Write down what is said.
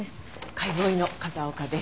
解剖医の風丘です。